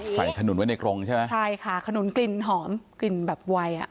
ขนุนไว้ในกรงใช่ไหมใช่ค่ะขนุนกลิ่นหอมกลิ่นแบบไวอ่ะ